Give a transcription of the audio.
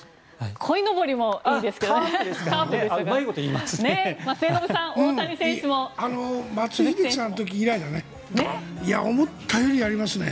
こいのぼりもいいですよね。